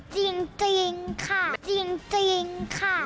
จริงค่ะจริงค่ะ